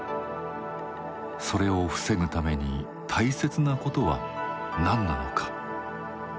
それを防ぐために大切なことは何なのか。